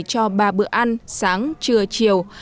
cho ba bữa ăn sáng trưa chiều